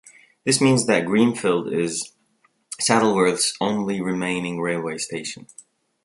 This means that Greenfield is Saddleworth's only remaining railway station.